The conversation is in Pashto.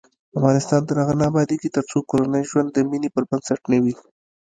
افغانستان تر هغو نه ابادیږي، ترڅو کورنی ژوند د مینې پر بنسټ نه وي.